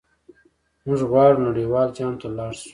موږ غواړو نړیوال جام ته لاړ شو.